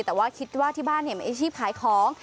แต่ว่าคิดว่าที่บ้านมีอาชีพขายของ